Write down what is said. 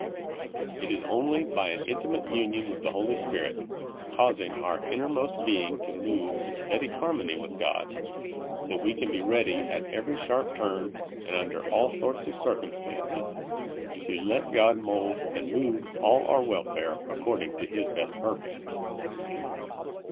It is only by an intimate union with the Holy Spirit, causing our innermost being to move in steady harmony with God, that we can be ready at every sharp turn and under all sorts of circumstances to '' let ''lkt god. 105 God" mould and move all our welfare according to His best purpose.